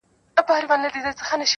په یوه خېز د کوهي سرته سو پورته -